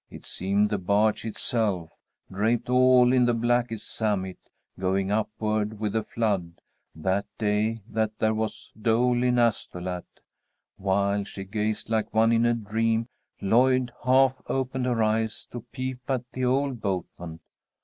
It seemed the barge itself, draped all in blackest samite, going upward with the flood, that day that there was dole in Astolat. While she gazed like one in a dream, Lloyd half opened her eyes, to peep at the old boatman.